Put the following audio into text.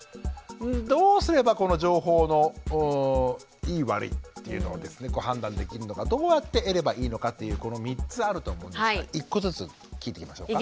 どうすればこの情報のいい悪いっていうのをですね判断できるのかどうやって得ればいいのかっていうこの３つあると思うんですが１個ずつ聞いていきましょうか。